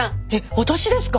私ですか？